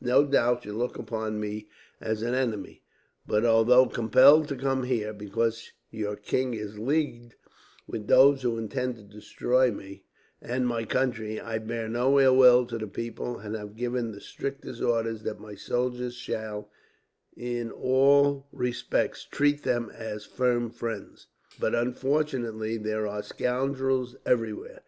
No doubt you look upon me as an enemy; but although compelled to come here, because your king is leagued with those who intend to destroy me and my country, I bear no ill will to the people; and have given the strictest orders that my soldiers shall, in all respects, treat them as firm friends. But unfortunately, there are scoundrels everywhere.